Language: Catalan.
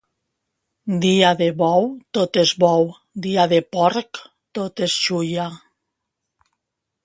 Dia de bou, tot és bou; dia de porc, tot és xulla.